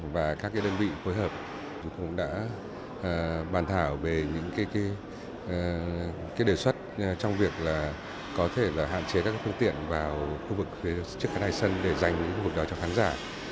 và các đơn vị phối hợp cũng đã bàn thảo về những đề xuất trong việc có thể hạn chế các phương tiện vào khu vực trước khăn hai sân để dành khu vực đó cho khán giả